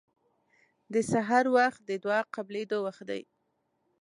د سحر وخت د دعا قبلېدو وخت دی.